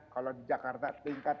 kalau di jakarta tingkat